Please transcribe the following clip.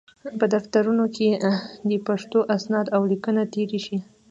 په دفترونو کې دې پښتو اسناد او لیکونه تېر شي.